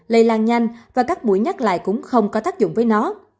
lây lan nhanh và các mũi nhắc lại cũng không có tác dụng với nó